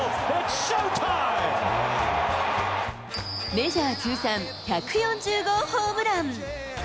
メジャー通算１４０号ホームラン。